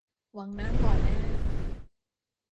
หวังน้ำบ่อหน้า